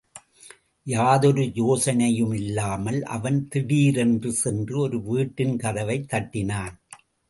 யாதொரு யோசனையுமில்லாமல், அவன் திடீரென்று சென்று ஒரு வீட்டின் கதவைத் தட்டினான்.